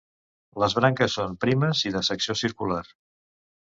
Les branques són primes i de secció circular.